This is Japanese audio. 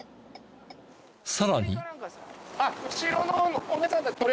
さらに。